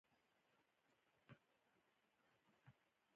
يو غشۍ د ميرويس خان د آس تر غاړې ووت.